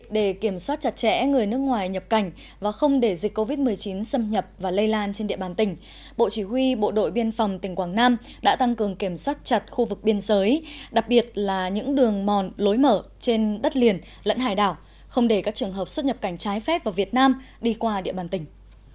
để kiểm soát chặt chẽ người nước ngoài nhập cảnh và không để dịch covid một mươi chín xâm nhập và lây lan trên địa bàn tỉnh bộ chỉ huy bộ đội biên phòng tỉnh quảng nam đã tăng cường kiểm soát chặt khu vực biên giới đặc biệt là những đường mòn lối mở trên đất liền lẫn hải đảo không để các trường hợp xuất nhập cảnh trái phép vào việt nam đi qua địa bàn tỉnh